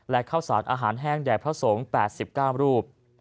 และเข้าสารอาหารแห้งแด่พระสงค์แปดสิบก้ามรูป